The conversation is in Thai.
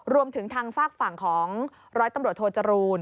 รวมถึงทางฝากฝั่งของร้อยตำรวจโทจรูล